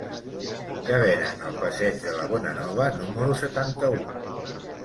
Què venen al passeig de la Bonanova número setanta-u?